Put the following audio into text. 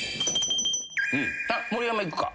盛山いくか。